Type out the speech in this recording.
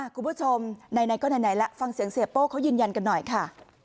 คุณผู้ชมไหนก็ไหนล่ะฟังเสียงเสียโป้เขายืนยันกันหน่อยค่ะ